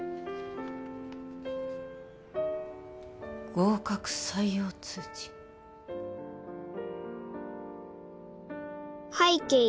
「合格採用通知」「拝啓」